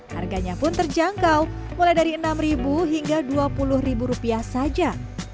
harganya pun terjangkau mulai dari rp enam hingga rp dua puluh saja